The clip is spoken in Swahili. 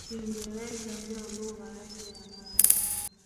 Kiingereza ndo lugha yake ya mama